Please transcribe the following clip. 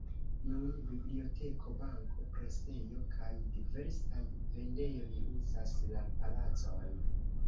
Nun biblioteko, banko, presejo kaj diversaj vendejoj uzas la palacon.